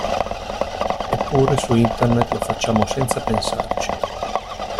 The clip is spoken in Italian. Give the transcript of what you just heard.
Eppure, su internet lo facciamo senza pensarci!